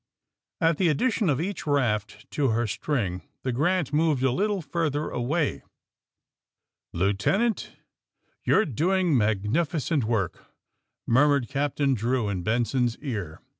At the addition of each raft to her string the Grant '^ moved a little further away. *^ Lieutenant, yon^re doing magnificent work,*' murmured Captain Drew in Benson's ear.